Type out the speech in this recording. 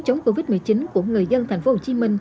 chống covid một mươi chín của người dân tp hcm